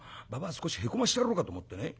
少しへこましてやろうかと思ってね